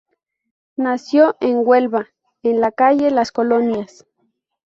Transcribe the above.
Nació en Huelva, en la calle Las Colonias.